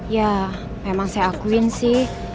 ya memang saya akuin sih